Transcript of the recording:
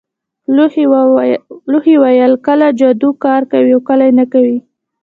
لوحې ویل کله جادو کار کوي او کله نه کوي